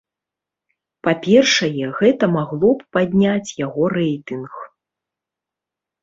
Па-першае, гэта магло б падняць яго рэйтынг.